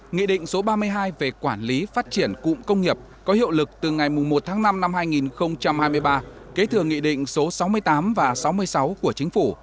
nghị định số ba mươi hai về quản lý phát triển cụm công nghiệp có hiệu lực từ ngày một tháng năm năm hai nghìn hai mươi ba kế thừa nghị định số sáu mươi tám và sáu mươi sáu của chính phủ